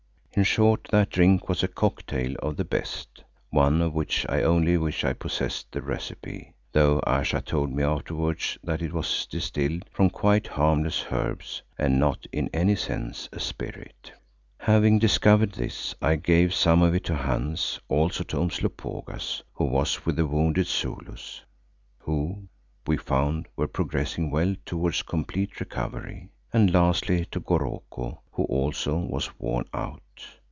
In short that drink was a "cocktail" of the best, one of which I only wish I possessed the recipe, though Ayesha told me afterwards that it was distilled from quite harmless herbs and not in any sense a spirit. Having discovered this, I gave some of it to Hans, also to Umslopogaas, who was with the wounded Zulus, who, we found, were progressing well towards complete recovery, and lastly to Goroko who also was worn out.